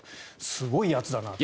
すごいやつだなと。